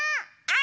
あ！